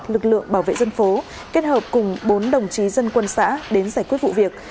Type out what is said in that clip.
lực lượng bảo vệ dân phố kết hợp cùng bốn đồng chí dân quân xã đến giải quyết vụ việc